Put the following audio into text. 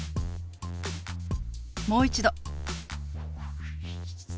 もう一度。